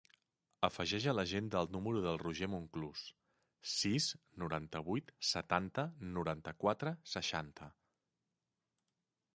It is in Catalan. Afegeix a l'agenda el número del Roger Monclus: sis, noranta-vuit, setanta, noranta-quatre, seixanta.